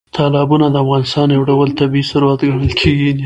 تالابونه د افغانستان یو ډول طبیعي ثروت ګڼل کېږي.